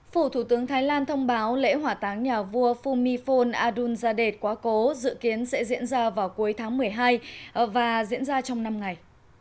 phủ thủ tướng thái lan thông báo lễ hỏa táng nhà vua fumifon adulzadeh quá cố dự kiến sẽ diễn ra vào cuối tháng một mươi hai và diễn ra trong năm ngày